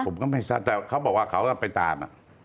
ผมก็ไม่ทราบแต่เขาบอกว่าเขาก็ไปตาม